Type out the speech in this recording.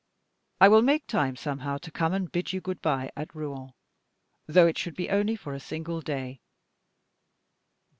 I will make time somehow to come and bid you good by at Rouen, though it should be only for a single day.